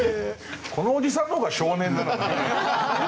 このおじさんの方が少年だな。